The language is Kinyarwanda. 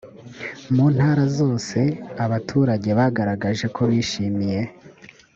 mu ntara zose abaturage bagaragaje ko bishimiye